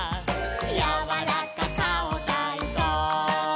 「やわらかかおたいそう」